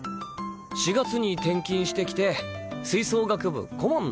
４月に転勤してきて吹奏楽部顧問の。